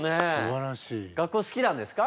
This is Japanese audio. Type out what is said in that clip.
学校好きなんですか？